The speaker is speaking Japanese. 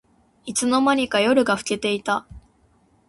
いつの間にか夜が更けていた